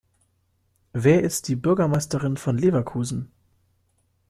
Wer ist die Bürgermeisterin von Leverkusen?